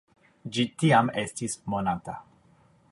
Ĝi tiam estis monata.